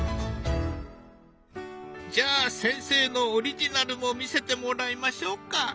じゃあ先生のオリジナルも見せてもらいましょうか。